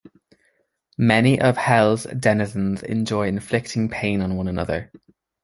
Many of Hell's denizens enjoy inflicting pain on one another.